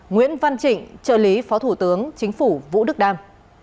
nguyễn văn trịnh trợ lý phó thủ tướng chính phủ vũ đức đam